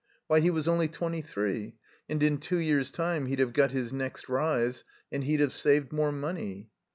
Why, he was only twenty three, and in two years' time he'd have got his next rise, and he'd have saved more money.